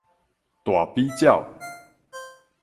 大比鳥